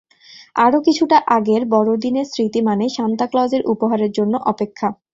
আরও কিছুটা আগের বড়দিনের স্মৃতি মানেই সান্তা ক্লজের উপহারের জন্য অপেক্ষা।